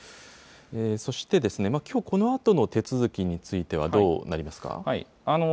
そして、きょうこのあとの手続きについてはどうなりますか。